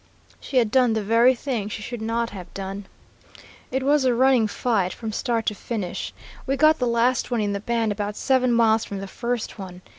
She had done the very thing she should not have done. "It was a running fight from start to finish. We got the last one in the band about seven miles from the first one.